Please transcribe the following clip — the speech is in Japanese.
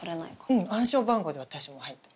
うん暗証番号で私も入ったよ。